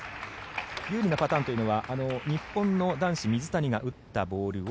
有利なパターンというのは男子の水谷が打ったボールを。